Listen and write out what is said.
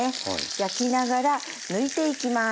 焼きながら抜いていきます。